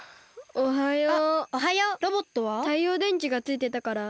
おはよう。